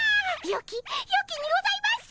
よきにございます！